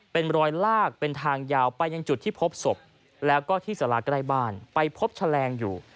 เป็นรอยลากเป็นทางยาวไปยังจุดที่พบศพแล้วก็ที่สาราใกล้บ้านไปพบแฉลงอยู่